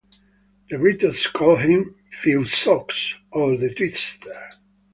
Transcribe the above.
The Britons called him "Flesaur", or "the twister".